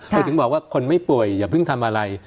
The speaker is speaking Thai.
แต่ถึงบอกว่าคนไม่ป่วยอย่าเพิ่งทำอะไร